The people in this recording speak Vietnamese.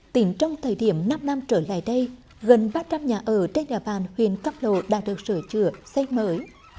tính trong thời điểm năm năm trở lại đây gần ba trăm linh nhà ở trên nhà bàn huyện cam lô đã được sửa chữa xây mới